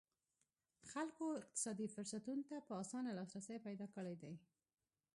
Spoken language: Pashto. خلکو اقتصادي فرصتونو ته په اسانه لاسرسی پیدا کړی دی.